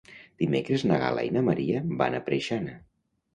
Dimecres na Gal·la i na Maria van a Preixana.